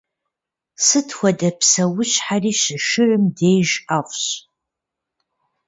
Сыт хуэдэ псэущхьэри щышырым деж ӏэфӏщ.